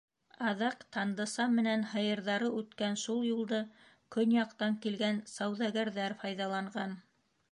Аҙаҡ Тандыса менән һыйырҙары үткән шул юлды көньяҡтан килгән сауҙагәрҙәр файҙаланған.